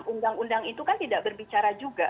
undang undang itu kan tidak berbicara juga